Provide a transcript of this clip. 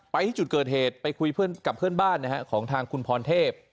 ไปที่จุดเกิดเหตุไปคุยกับเพื่อนบ้านของทางคุณพรเทพ